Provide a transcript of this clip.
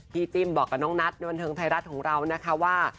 จิ้มบอกกับน้องนัทในบันเทิงไทยรัฐของเรานะคะว่า